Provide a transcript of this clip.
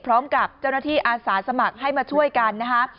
พร้อมกับเจ้าหน้าที่อาสาสมัครให้มาช่วยกันนะคะ